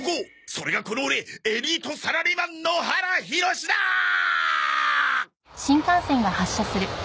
それがこのオレエリートサラリーマン野原ひろしだあーっ！！